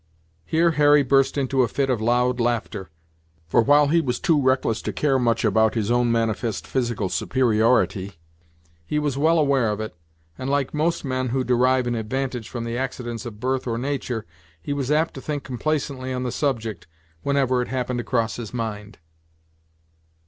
Here Hurry burst into a fit of loud laughter; for while he was too reckless to care much about his own manifest physical superiority, he was well aware of it, and, like most men who derive an advantage from the accidents of birth or nature, he was apt to think complacently on the subject, whenever it happened to cross his mind.